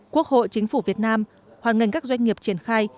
quốc hội chính phủ việt nam hoàn ngành các doanh nghiệp triển khai